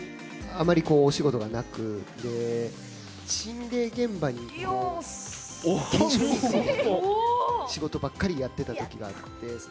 あまりお仕事がなく、で、心霊現場に検証に行くみたいな仕事ばっかりやってたときがあって。